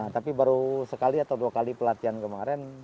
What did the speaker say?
tapi baru sekali atau dua kali pelatihan kemarin